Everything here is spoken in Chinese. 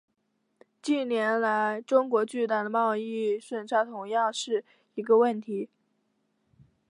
近年来中国巨大的贸易顺差同样是一个问题。